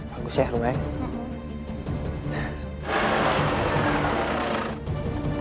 bagus ya rumahnya